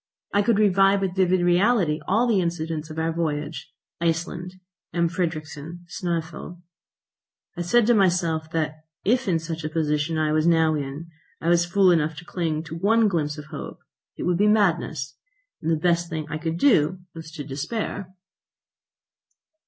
I could revive with vivid reality all the incidents of our voyage, Iceland, M. Fridrikssen, Snæfell. I said to myself that if, in such a position as I was now in, I was fool enough to cling to one glimpse of hope, it would be madness, and that the best thing I could do was to despair.